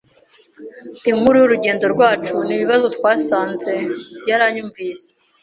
inkuru y'urugendo rwacu n'ibibazo twasanze. Yaranyumvise